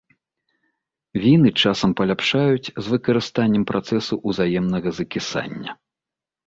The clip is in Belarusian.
Віны часам паляпшаюць з выкарыстаннем працэсу узаемнага закісання.